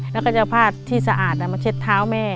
แล้วก็จะเอาผ้าที่สะอาดมาเช็ดเท้าแม่